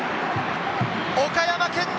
岡山県勢